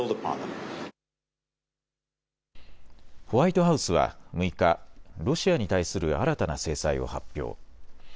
ホワイトハウスは６日、ロシアに対する新たな制裁を発表。